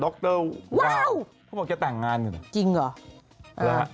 เขาบอกแกต่างงานกันจริงหรือ